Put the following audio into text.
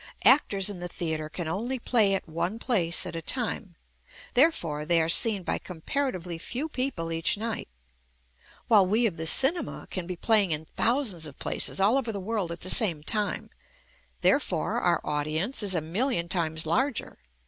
Actors in the theatre can only play at one place at a time; therefore, they are seen by com paratively few people each night. While we of the cinema can be playing in thousands of places all over the world at the same time; therefore, our audience is a million times larger.